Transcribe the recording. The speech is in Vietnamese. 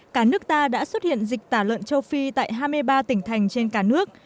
cả nước ta đã xuất hiện dịch tả lợn châu phi tại hai mươi ba tỉnh thành trên cả nước